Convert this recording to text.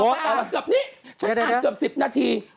ออกมากับนี่ชั้นต้องการเกือบ๑๐นาที